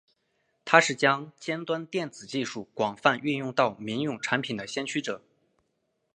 他是将尖端电子技术广泛运用到民用产品的先驱者。